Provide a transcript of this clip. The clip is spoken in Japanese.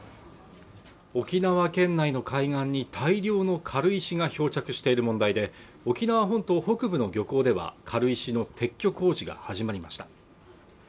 沖縄県内の海岸に大量の軽石が漂着している問題で沖縄本島北部の漁港では軽石の撤去工事が始まりました